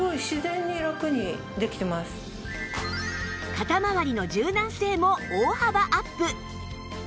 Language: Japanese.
肩まわりの柔軟性も大幅アップ！